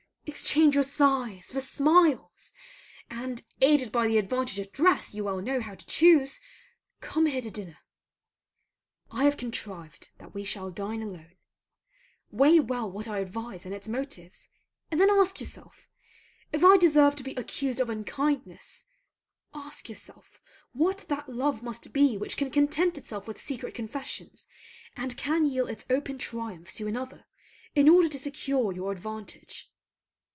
Exchange your sighs for smiles; and, aided by the advantages of dress you well know how to choose, come here to dinner. I have contrived that we shall dine alone. Weigh well what I advise and its motives; and then ask yourself, if I deserve to be accused of unkindness Ask yourself what that love must be which can content itself with secret confessions, and can yield its open triumph to another in order to secure your advantage.